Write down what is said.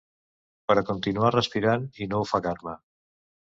Per a continuar respirant i no ofegar-me.